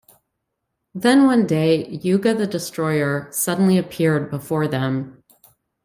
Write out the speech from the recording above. Then one day "Yuga the Destroyer" suddenly appeared before them.